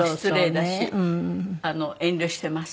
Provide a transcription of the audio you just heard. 遠慮してます。